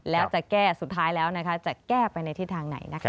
แล้วจะแก้สุดท้ายแล้วจะแก้ไปในที่ทางไหนนะครับ